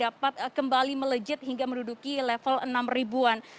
dapat kembali melejit hingga menduduki level enam ribuan